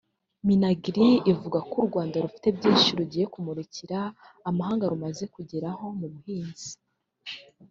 Minagri ivuga ko u Rwanda rufite byinshi rugiye kumurikira amahanga rumaze kugeraho mu buhinzi